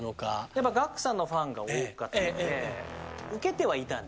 やっぱＧＡＣＫＴさんのファンが多かったのでウケてはいた。